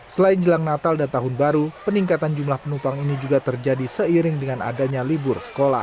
selain jelang natal dan tahun baru peningkatan jumlah penumpang ini juga terjadi seiring dengan adanya libur sekolah